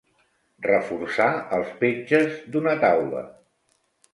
Reforçar els petges d'una taula.